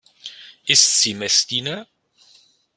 Ist sie Messdiener?